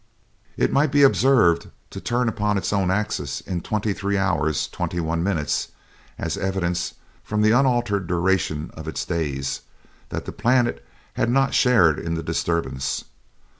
It might be observed to turn upon its own axis in twenty three hours twenty one minutes an evidence, from the unaltered duration of its days, that the planet had not shared in the disturbance.